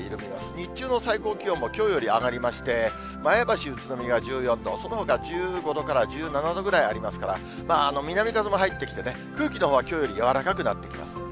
日中の最高気温もきょうより上がりまして、前橋、宇都宮が１４度、そのほか１５度から１７度ぐらいありますから、南風も入ってきてね、空気のほうはきょうより柔らかくなってきます。